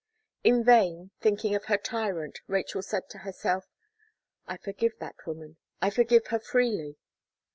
In vain, thinking of her tyrant, Rachel said to herself, "I forgive that woman I forgive her freely."